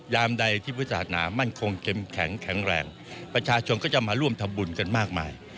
ใดที่พุทธศาสนามั่นคงเข้มแข็งแข็งแรงประชาชนก็จะมาร่วมทำบุญกันมากมาย